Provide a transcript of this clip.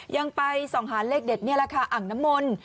ยังไปส่องหาเลขเด็ดนี่แหละค่ะอ่างน้ำมนต์